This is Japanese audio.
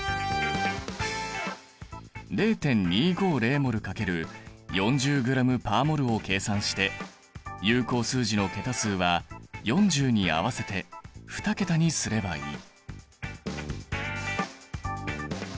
０．２５０ｍｏｌ×４０ｇ／ｍｏｌを計算して有効数字の桁数は４０に合わせて２桁にすればいい。